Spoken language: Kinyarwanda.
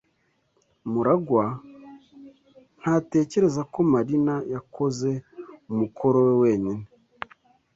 MuragwA ntatekereza ko Marina yakoze umukoro we wenyine.